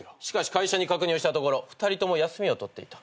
会社に確認をしたところ２人とも休みを取っていた。